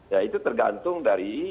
ya itu tergantung dari